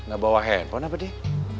gak bawa handphone apa dia